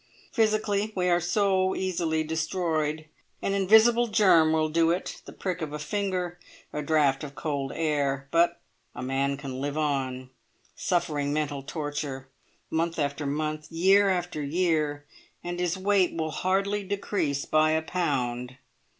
Physically we are so easily destroyed. An invisible germ will do it, the prick of a finger, a draught of cold air; but a man can live on, suffering mental torture, month after month, year after year, and his weight will hardly decrease by a pound.